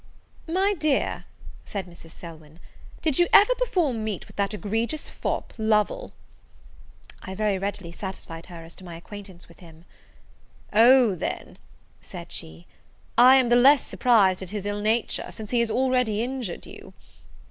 "My dear," said Mrs. Selwyn, "did you ever before meet with that egregious fop, Lovel?" I very readily satisfied her as to my acquaintance with him. "O, then," said she, "I am the less surprised at his ill nature, since he has already injured you."